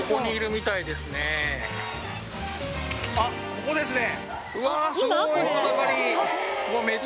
あっここですね。